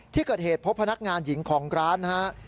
ที่เกิดเหตุพบพนักงานหญิงของร้านนะฮะ